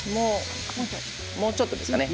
もうちょっとですかね。